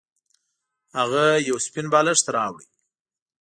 هغه یو سپین بالښت راوړ.